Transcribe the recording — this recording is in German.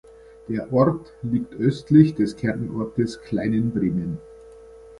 Der Ort liegt östlich des Kernortes Kleinenbremen.